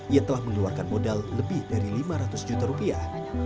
ia telah mengeluarkan modal lebih dari lima ratus juta rupiah